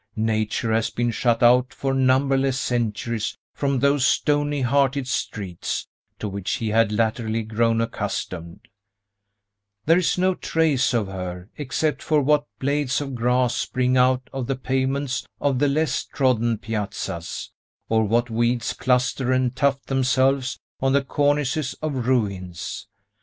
Nature has been shut out for numberless centuries from those stony hearted streets, to which he had latterly grown accustomed; there is no trace of her, except for what blades of grass spring out of the pavements of the less trodden piazzas, or what weeds cluster and tuft themselves on the cornices of ruins.